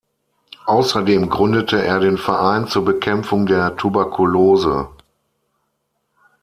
Außerdem gründete er den Verein zur Bekämpfung der Tuberkulose.